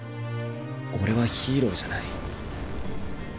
俺はヒーローじゃない。